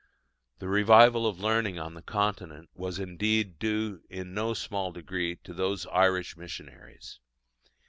The revival of learning on the Continent was indeed due in no small degree to those Irish missionaries.